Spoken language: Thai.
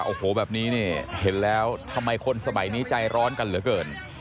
โอ้โหแบบนี้เนี่ยเห็นแล้วทำไมคนสมัยนี้ใจร้อนกันเหลือเกิน